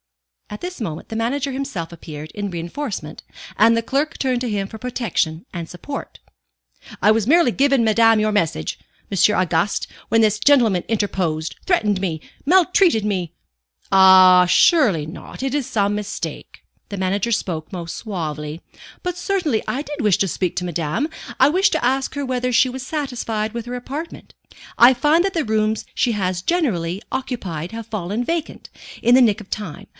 At this moment the manager himself appeared in reinforcement, and the clerk turned to him for protection and support. "I was merely giving madame your message, M. Auguste, when this gentleman interposed, threatened me, maltreated me " "Oh, surely not; it is some mistake;" the manager spoke most suavely. "But certainly I did wish to speak to madame. I wished to ask her whether she was satisfied with her apartment. I find that the rooms she has generally occupied have fallen vacant, in the nick of time.